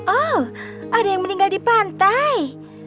oh ada yang meninggal di pantai